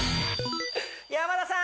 山田さん